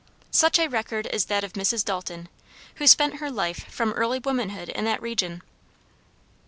Such a record is that of Mrs. Dalton, who spent her life from early womanhood in that region.